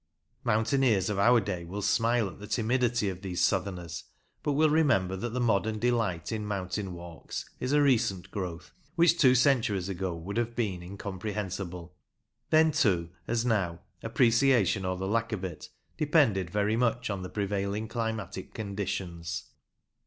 Mountaineers of our day will smile at the timidity of these southerners, but will remember that the modern delight in mountain walks is a recent growth, which two centuries ago would have been incomprehensible. Then, too, as now, appreciation, or the lack of it, depended very much on the prevailing climatic conditions.